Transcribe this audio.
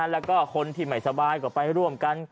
และก็คนที่เหมือนสบายนะกับไปร่วมกัน